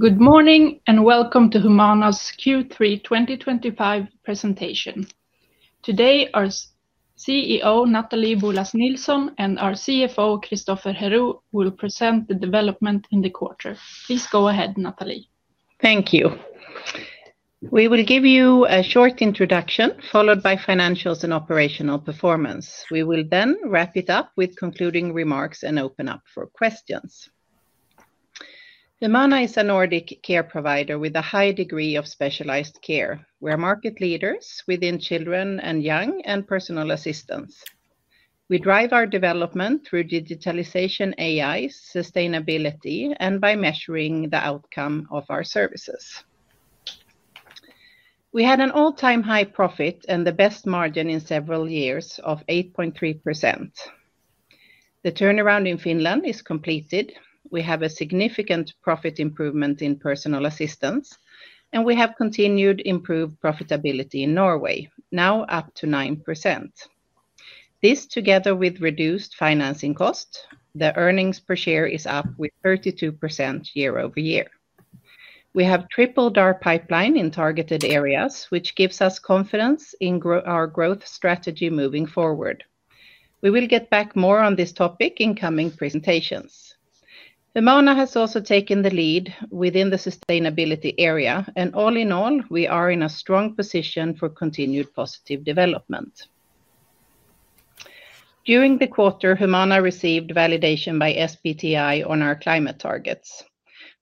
Good morning and welcome to Humana's Q3 2025 presentation. Today, our CEO, Nathalie Boulas Nilsson, and our CFO, Christoffer Herou, will present the developments in the quarter. Please go ahead, Nathalie. Thank you. We will give you a short introduction followed by financials and operational performance. We will then wrap it up with concluding remarks and open up for questions. Humana is a Nordic care provider with a high degree of specialized care. We are market leaders within children and young and personal assistance. We drive our development through digitalization, AI, sustainability, and by measuring the outcome of our services. We had an all-time high profit and the best margin in several years of 8.3%. The turnaround in Finland is completed. We have a significant profit improvement in personal assistance, and we have continued improved profitability in Norway, now up to 9%. This, together with reduced financing costs, the earnings per share is up with 32% year-over-year. We have tripled our pipeline in targeted areas, which gives us confidence in our growth strategy moving forward. We will get back more on this topic in coming presentations. Humana has also taken the lead within the sustainability area, and all in all, we are in a strong position for continued positive development. During the quarter, Humana received validation by SBTi on our climate targets.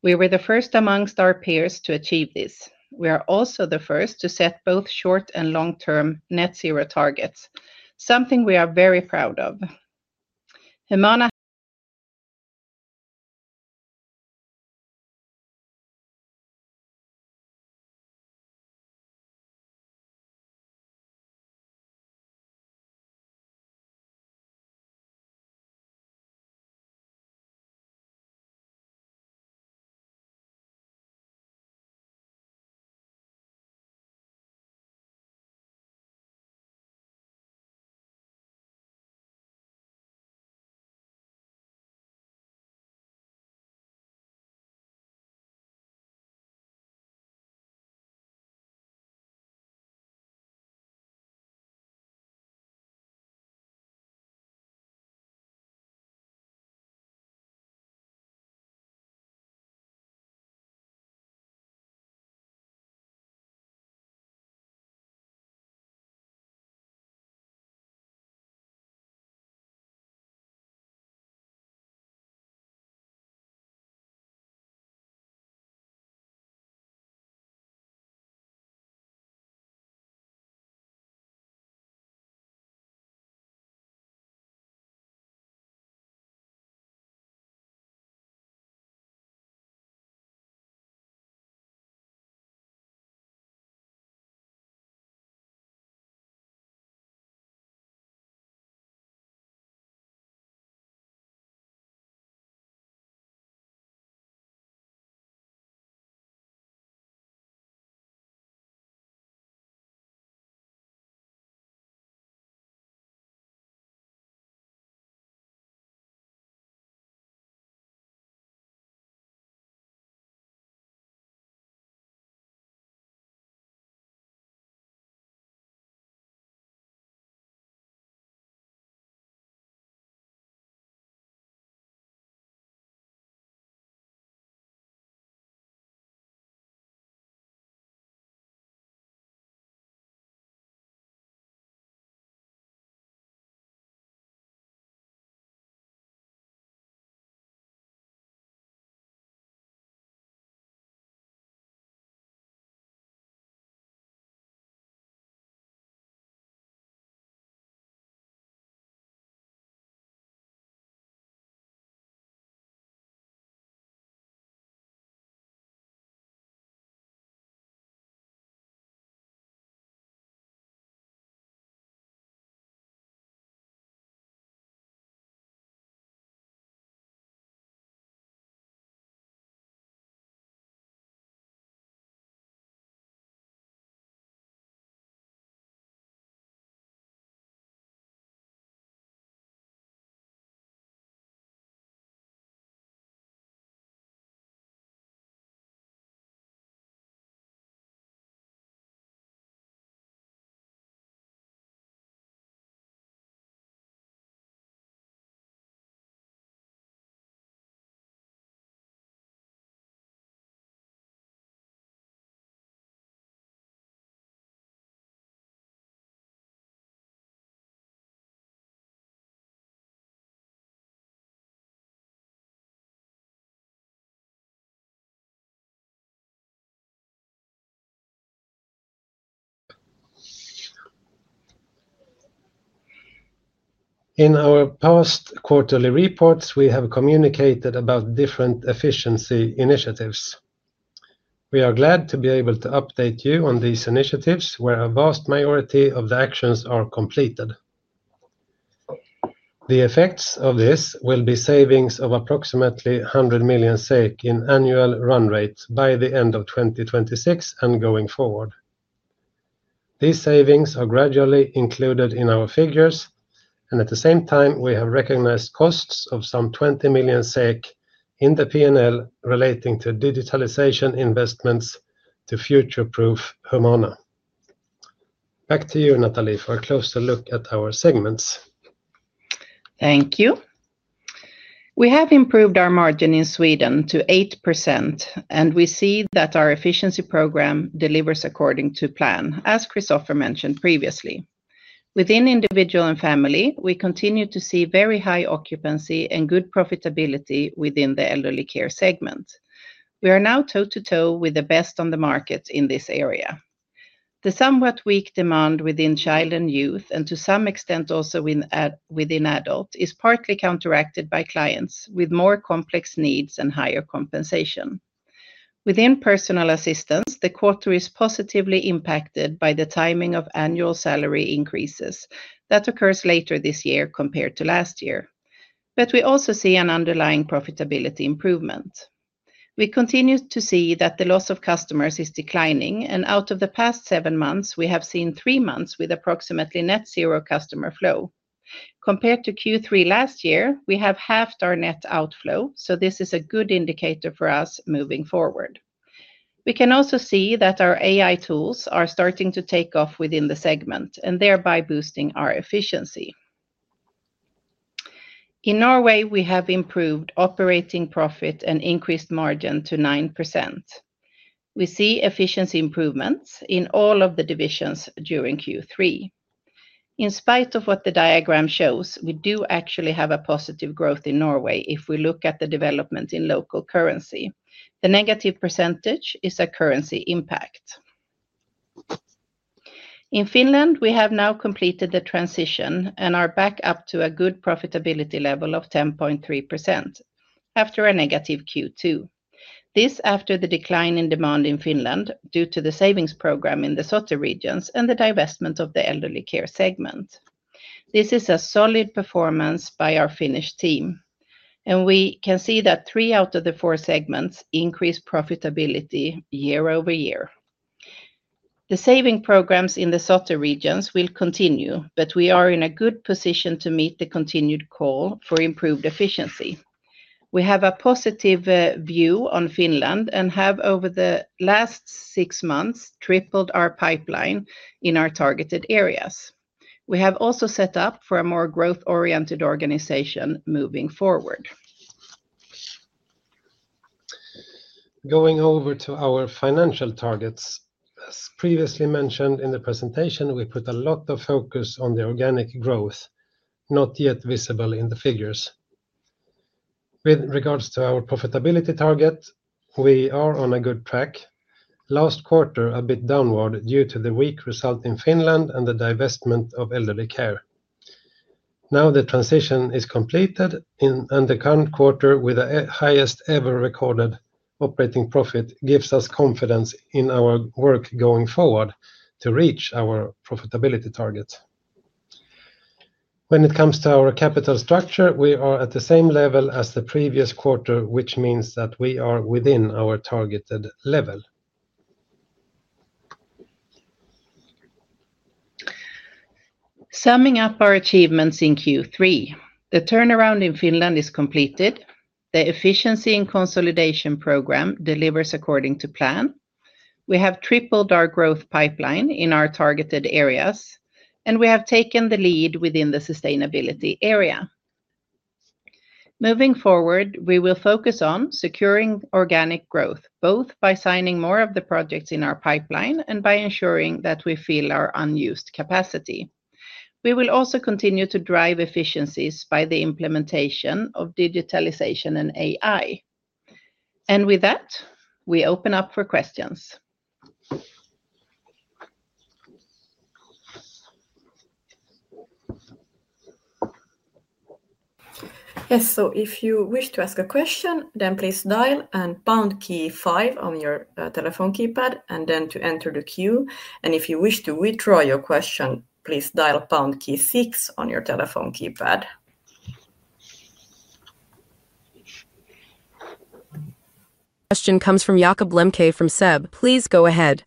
We were the first amongst our peers to achieve this. We are also the first to set both short and long-term net zero targets, something we are very proud of. Humana. In our past quarterly reports, we have communicated about different efficiency initiatives. We are glad to be able to update you on these initiatives, where a vast majority of the actions are completed. The effects of this will be savings of approximately 100 million SEK in annual run rate by the end of 2026 and going forward. These savings are gradually included in our figures, and at the same time, we have recognized costs of some 20 million SEK in the P&L relating to digitalization investments to future-proof Humana. Back to you, Nathalie, for a closer look at our segments. Thank you. We have improved our margin in Sweden to 8%, and we see that our efficiency program delivers according to plan, as Christoffer mentioned previously. Within individual and family, we continue to see very high occupancy and good profitability within the elderly care segment. We are now toe-to-toe with the best on the market in this area. The somewhat weak demand within child and youth, and to some extent also within adult, is partly counteracted by clients with more complex needs and higher compensation. Within personal assistance, the quarter is positively impacted by the timing of annual salary increases that occur later this year compared to last year. We also see an underlying profitability improvement. We continue to see that the loss of customers is declining, and out of the past seven months, we have seen three months with approximately net zero customer flow. Compared to Q3 last year, we have halved our net outflow, so this is a good indicator for us moving forward. We can also see that our AI tools are starting to take off within the segment and thereby boosting our efficiency. In Norway, we have improved operating profit and increased margin to 9%. We see efficiency improvements in all of the divisions during Q3. In spite of what the diagram shows, we do actually have a positive growth in Norway if we look at the development in local currency. The negative percentage is a currency impact. In Finland, we have now completed the transition and are back up to a good profitability level of 10.3% after a negative Q2. This is after the decline in demand in Finland due to the savings program in the softer regions and the divestment of the elderly care segment. This is a solid performance by our Finnish team, and we can see that three out of the four segments increase profitability year-over-year. The saving programs in the softer regions will continue, but we are in a good position to meet the continued call for improved efficiency. We have a positive view on Finland and have over the last six months tripled our pipeline in our targeted areas. We have also set up for a more growth-oriented organization moving forward. Going over to our financial targets, as previously mentioned in the presentation, we put a lot of focus on the organic growth, not yet visible in the figures. With regards to our profitability target, we are on a good track. Last quarter, a bit downward due to the weak result in Finland and the divestment of elderly care. Now the transition is completed, and the current quarter with the highest ever recorded operating profit gives us confidence in our work going forward to reach our profitability targets. When it comes to our capital structure, we are at the same level as the previous quarter, which means that we are within our targeted level. Summing up our achievements in Q3, the turnaround in Finland is completed. The efficiency and consolidation program delivers according to plan. We have tripled our growth pipeline in our targeted areas, and we have taken the lead within the sustainability area. Moving forward, we will focus on securing organic growth, both by signing more of the projects in our pipeline and by ensuring that we fill our unused capacity. We will also continue to drive efficiencies by the implementation of digitalization and AI. With that, we open up for questions. Yes, if you wish to ask a question, please dial the pound key and five on your telephone keypad to enter the queue. If you wish to withdraw your question, please dial the pound key and six on your telephone keypad. Question comes from Jakob Lembke from SEB. Please go ahead.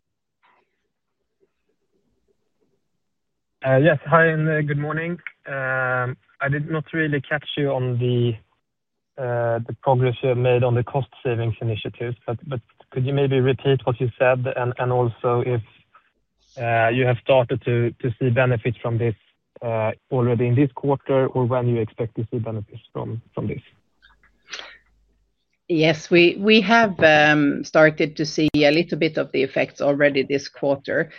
Yes, hi and good morning. I did not really catch you on the progress you have made on the cost savings initiatives, but could you maybe repeat what you said and also if you have started to see benefits from this already in this quarter or when you expect to see benefits from this? Yes, we have started to see a little bit of the effects already this quarter.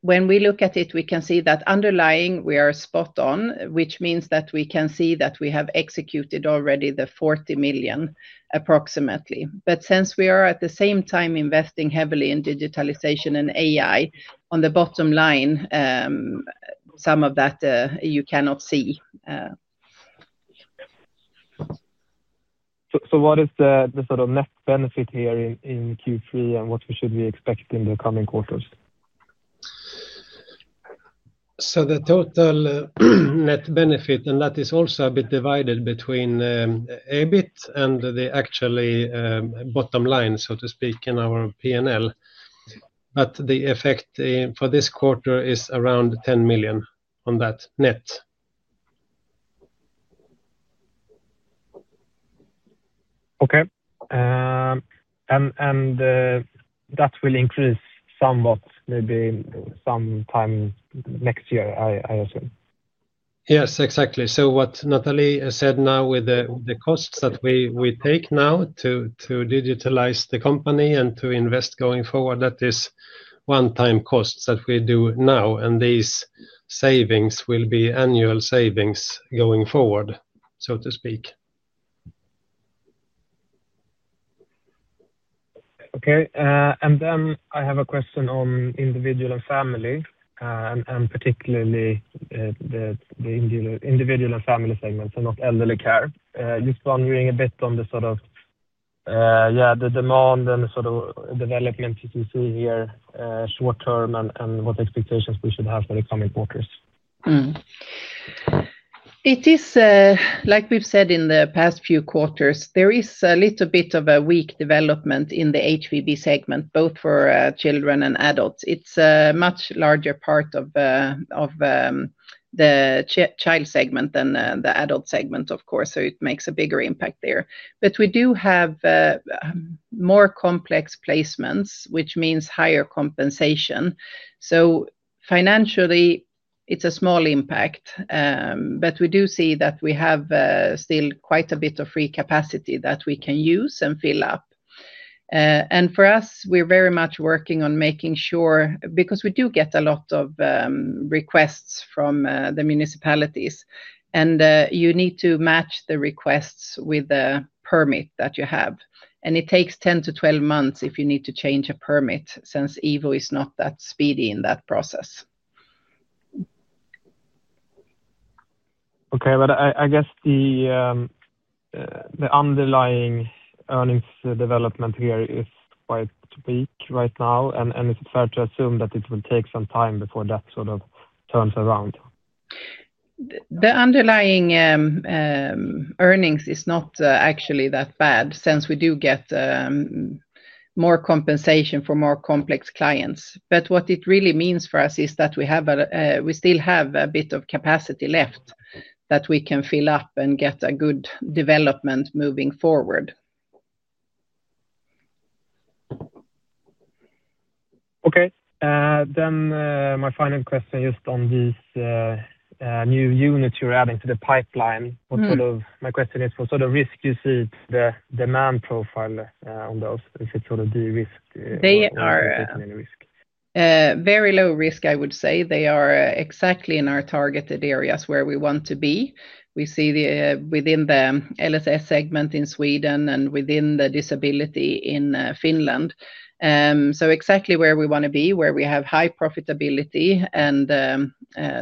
When we look at it, we can see that underlying we are spot on, which means that we can see that we have executed already the 40 million approximately. Since we are at the same time investing heavily in digitalization and AI, on the bottom line, some of that you cannot see. What is the sort of net benefit here in Q3, and what should we expect in the coming quarters? The total net benefit, and that is also a bit divided between EBIT and the actual bottom line, so to speak, in our P&L. The effect for this quarter is around 10 million on that net. Okay, that will increase somewhat, maybe sometime next year, I assume. Yes, exactly. What Nathalie said now with the costs that we take now to digitalize the company and to invest going forward, that is one-time costs that we do now. These savings will be annual savings going forward, so to speak. Okay. I have a question on individual and family, and particularly the individual and family segments and not elderly care. Just wondering a bit on the demand and the development you see here short term and what expectations we should have for the coming quarters. It is like we've said in the past few quarters, there is a little bit of a weak development in the HVB segment, both for children and adults. It's a much larger part of the child segment than the adult segment, of course, so it makes a bigger impact there. We do have more complex placements, which means higher compensation. Financially, it's a small impact, but we do see that we have still quite a bit of free capacity that we can use and fill up. For us, we're very much working on making sure because we do get a lot of requests from the municipalities, and you need to match the requests with the permit that you have. It takes 10-12 months if you need to change a permit since EVO is not that speedy in that process. Okay, I guess the underlying earnings development here is quite weak right now, and is it fair to assume that it will take some time before that sort of turns around? The underlying earnings is not actually that bad since we do get more compensation for more complex clients. What it really means for us is that we still have a bit of capacity left that we can fill up and get a good development moving forward. Okay. My final question is just on these new units you're adding to the pipeline. What sort of risk do you see to the demand profile on those? Is it the risk? They are very low risk, I would say. They are exactly in our targeted areas where we want to be. We see within the LSS segment in Sweden and within the disability in Finland, exactly where we want to be, where we have high profitability and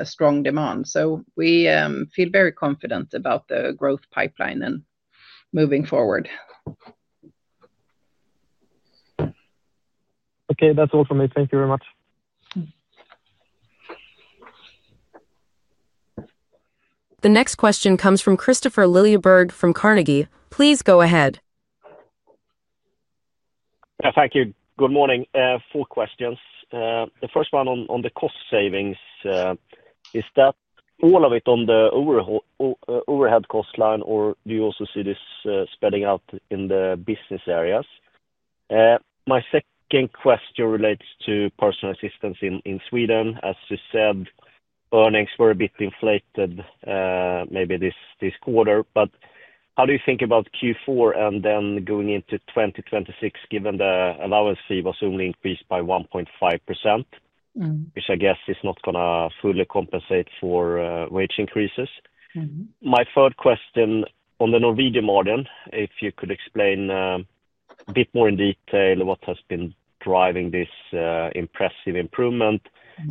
strong demand. We feel very confident about the growth pipeline and moving forward. Okay, that's all for me. Thank you very much. The next question comes from Kristofer Liljeberg from Carnegie. Please go ahead. Yeah, thank you. Good morning. Four questions. The first one on the cost savings, is that all of it on the overhead cost line, or do you also see this spreading out in the business areas? My second question relates to personal assistance in Sweden. As you said, earnings were a bit inflated maybe this quarter, but how do you think about Q4 and then going into 2026 given the allowance fee was only increased by 1.5%, which I guess is not going to fully compensate for wage increases? My third question on the Norwegian margin, if you could explain a bit more in detail what has been driving this impressive improvement,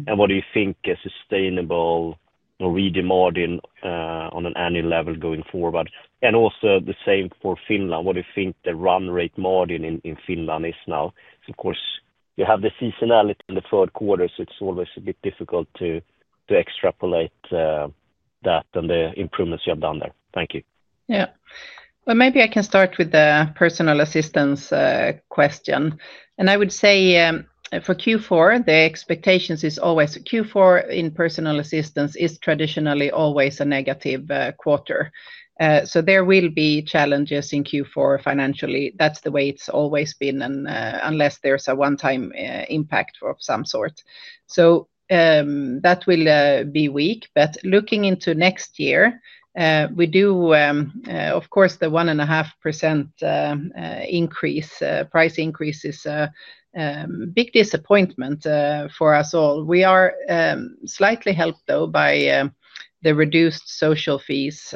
and what do you think a sustainable Norwegian margin on an annual level going forward? Also, the same for Finland, what do you think the run rate margin in Finland is now? Of course, you have the seasonality in the third quarter, so it's always a bit difficult to extrapolate that and the improvements you have done there. Thank you. Maybe I can start with the personal assistance question. I would say for Q4, the expectations are always Q4 in personal assistance is traditionally always a negative quarter. There will be challenges in Q4 financially. That's the way it's always been, unless there's a one-time impact of some sort. That will be weak. Looking into next year, we do, of course, the 1.5% price increase is a big disappointment for us all. We are slightly helped, though, by the reduced social fees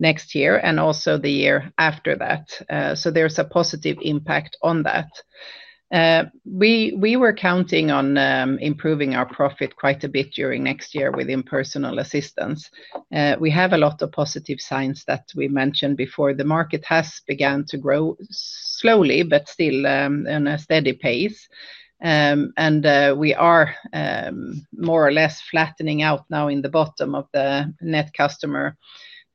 next year and also the year after that. There's a positive impact on that. We were counting on improving our profit quite a bit during next year within personal assistance. We have a lot of positive signs that we mentioned before. The market has begun to grow slowly, but still on a steady pace. We are more or less flattening out now in the bottom of the net customer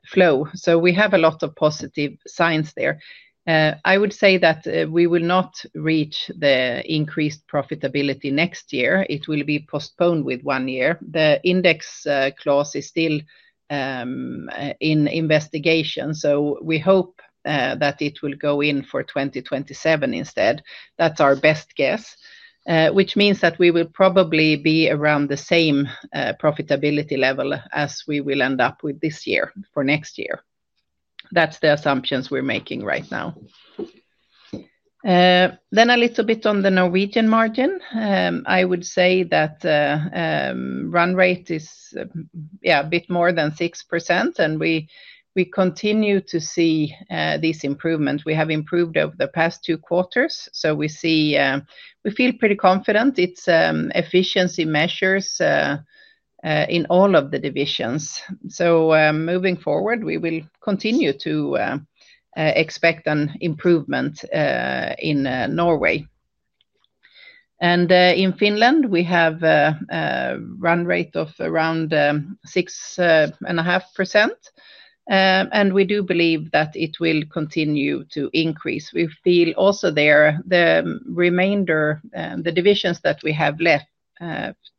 flow. We have a lot of positive signs there. I would say that we will not reach the increased profitability next year. It will be postponed with one year. The index clause is still in investigation, so we hope that it will go in for 2027 instead. That's our best guess, which means that we will probably be around the same profitability level as we will end up with this year for next year. That's the assumptions we're making right now. A little bit on the Norwegian margin, I would say that run rate is a bit more than 6%, and we continue to see this improvement. We have improved over the past two quarters. We feel pretty confident. It's efficiency measures in all of the divisions. Moving forward, we will continue to expect an improvement in Norway. In Finland, we have a run rate of around 6.5%, and we do believe that it will continue to increase. We feel also there the remainder and the divisions that we have left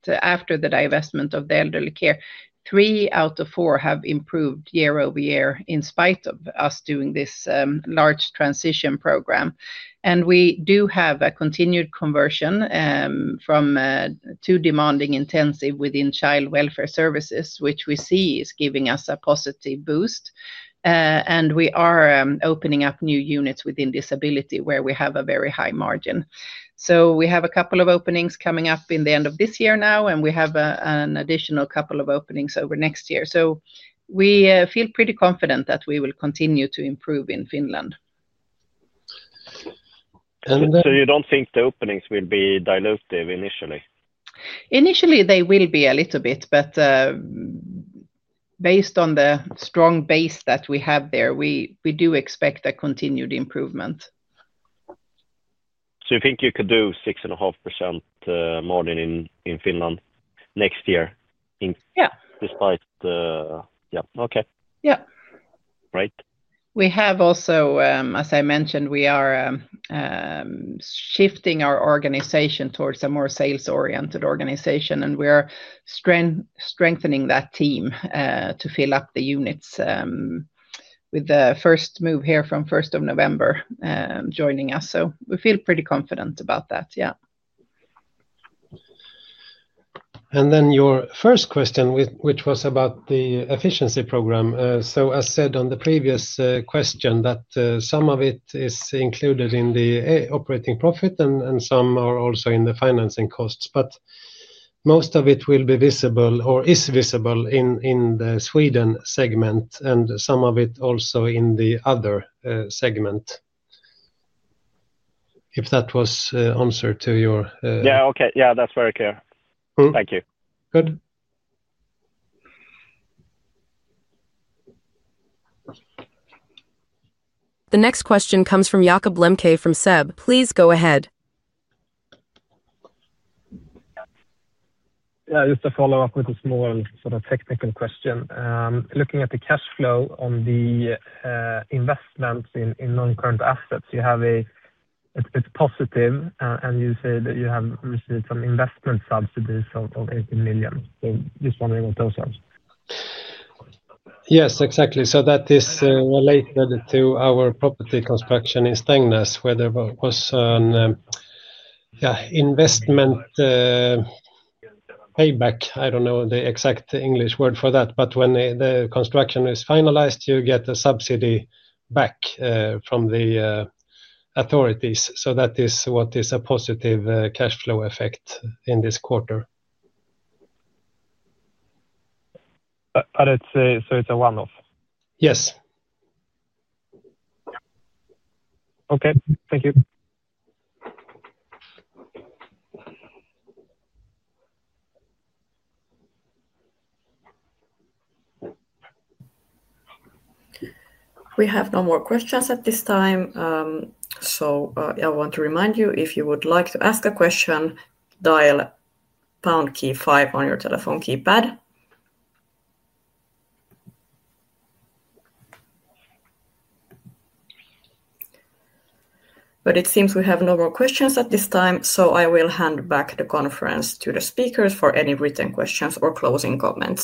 after the divestment of the elderly care, three out of four have improved year-over-year in spite of us doing this large transition program. We do have a continued conversion from too demanding intensive within child welfare services, which we see is giving us a positive boost. We are opening up new units within disability where we have a very high margin. We have a couple of openings coming up in the end of this year now, and we have an additional couple of openings over next year. We feel pretty confident that we will continue to improve in Finland. You don't think the openings will be diluted initially? Initially, they will be a little bit, but based on the strong base that we have there, we do expect a continued improvement. Do you think you could do a 6.5% margin in Finland next year? Yeah. Despite the, okay. Yeah. Great. We have also, as I mentioned, we are shifting our organization towards a more sales-oriented organization, and we are strengthening that team to fill up the units with the first move here from 1st of November joining us. We feel pretty confident about that, yeah. Your first question was about the efficiency program. As said on the previous question, some of it is included in the operating profit and some are also in the financing costs. Most of it will be visible or is visible in the Sweden segment, and some of it also in the other segment. If that was answered to your. Yeah, okay. That's very clear. Thank you. Good. The next question comes from Jakob Lembke from SEB. Please go ahead. Just to follow up with a small sort of technical question. Looking at the cash flow on the investments in non-current assets, you have a bit positive, and you say that you have received some investment subsidies of 18 million. I'm just wondering what those are. Yes, exactly. That is related to our property construction in Strängnäs, where there was an investment payback. I don't know the exact English word for that. When the construction is finalized, you get a subsidy back from the authorities. That is what is a positive cash flow effect in this quarter. I'd say it's a one-off? Yes. Okay, thank you. We have no more questions at this time. I want to remind you, if you would like to ask a question, dial pound key five on your telephone keypad. It seems we have no more questions at this time, so I will hand back the conference to the speakers for any written questions or closing comments.